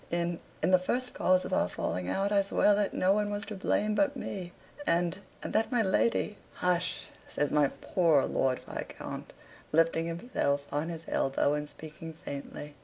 In in the first cause of our falling out, I swear that no one was to blame but me, and and that my lady " "Hush!" says my poor Lord Viscount, lifting himself on his elbow and speaking faintly.